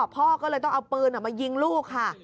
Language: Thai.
พ่อก็เลยต้องเอาปืนมายิงลูกค่ะ